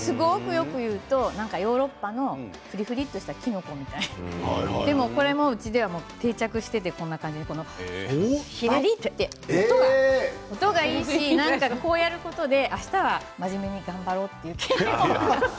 よく言うとヨーロッパのフリフリとしたきのこみたいこれもうちでは定着していてこの感じでひねって音もいいし、こうやることであしたは真面目に頑張ろうという気にもなります。